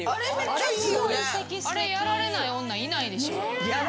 あれやられない女いないでしょ。